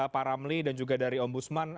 pak ramli dan juga dari om busman